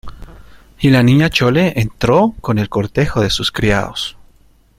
y la Niña Chole entró con el cortejo de sus criados.